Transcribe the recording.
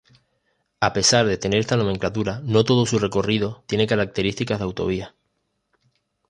A pesar de tener esta nomenclatura, no todo su recorrido tiene características de autovía.